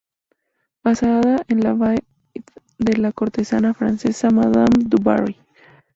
Basada en la vide de la cortesana francesa Madame du Barry.